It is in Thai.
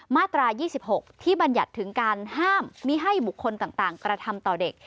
มาตรา๒๖ที่บรรยัติถึงการห้ามมิให้บุคคลต่างกระทำต่อเด็ก